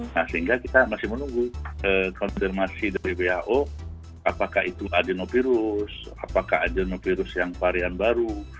nah sehingga kita masih menunggu konfirmasi dari who apakah itu adenovirus apakah adenovirus yang varian baru